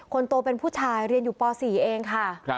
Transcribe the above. คนโตเป็นผู้ชายเรียนอยู่ป๔เองค่ะ